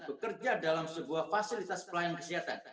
bekerja dalam sebuah fasilitas pelayanan kesehatan